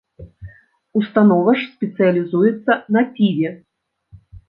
Установа ж спецыялізуецца на піве.